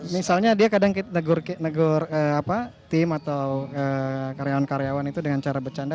misalnya dia kadang negur tim atau karyawan karyawan itu dengan cara bercanda